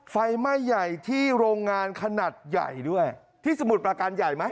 ไฟไหม้ใหญ่ที่โรงงานขนาดใหญ่ด้วยที่สมุทรประการใหญ่ไหม